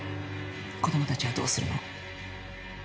子供たちはどうするの？